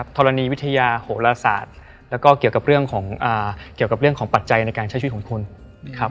ทรณีวิทยาโหลศาสตร์แล้วก็เกี่ยวกับเรื่องของปัจจัยในการใช้ชีวิตของคุณ